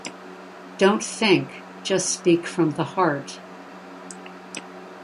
Don't think, just speak from the heart.